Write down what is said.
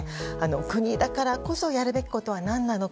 国だからこそやるべきことは何なのか。